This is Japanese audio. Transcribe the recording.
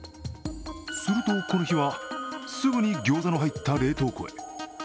すると、この日は、すぐに餃子の入った冷凍庫へ。